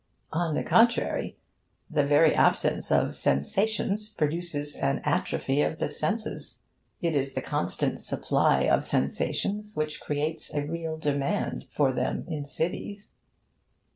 On the contrary, the very absence of 'sensations' produces an atrophy of the senses. It is the constant supply of 'sensations' which creates a real demand for them in cities.